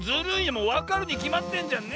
もうわかるにきまってんじゃんねえ。